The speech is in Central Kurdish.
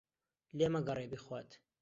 لێ مەگەڕێ بیخوات.